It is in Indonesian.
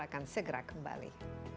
akan segera kembali